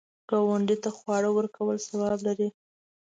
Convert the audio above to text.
ګاونډي ته خواړه ورکول ثواب لري